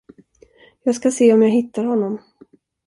Jag ska se om jag hittar honom.